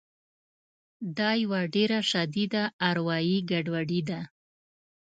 دا یوه ډېره شدیده اروایي ګډوډي ده